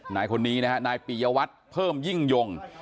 นายคนนี้นะฮะนายปียวัตรเพิ่มยิ่งยง